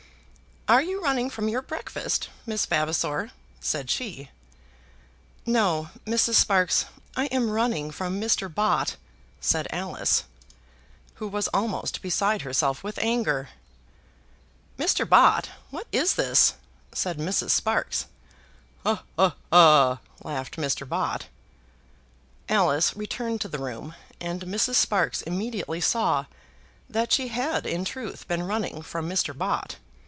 "Are you running from your breakfast, Miss Vavasor?" said she. "No, Mrs. Sparkes; I am running from Mr. Bott," said Alice, who was almost beside herself with anger. "Mr. Bott, what is this?" said Mrs. Sparkes. "Ha, ha, ha," laughed Mr. Bott. Alice returned to the room, and Mrs. Sparkes immediately saw that she had in truth been running from Mr. Bott.